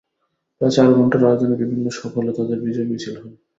প্রায় চার ঘণ্টা রাজধানীর বিভিন্ন সকলে তাদের বিজয় মিছিল হয়।